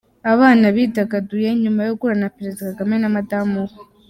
Abana bidagaduye nyuma yo guhura na Perezida Kagame na Madamu we.